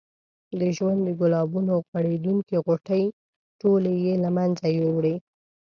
د ژوند د ګلابونو غوړېدونکې غوټۍ ټولې یې له منځه یوړې.